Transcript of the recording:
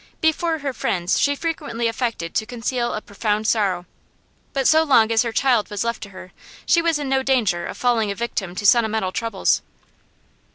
Before her friends she frequently affected to conceal a profound sorrow; but so long as her child was left to her she was in no danger of falling a victim to sentimental troubles.